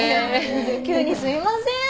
急にすいません。